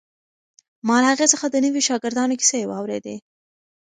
ما له هغې څخه د نویو شاګردانو کیسې واورېدې.